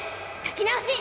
書き直し。